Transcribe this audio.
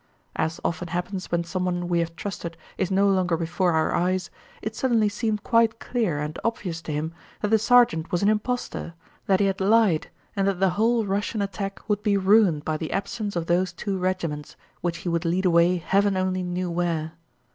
As often happens when someone we have trusted is no longer before our eyes, it suddenly seemed quite clear and obvious to him that the sergeant was an impostor, that he had lied, and that the whole Russian attack would be ruined by the absence of those two regiments, which he would lead away heaven only knew where.